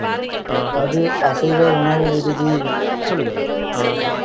அது அசைவ உணவு விடுதி.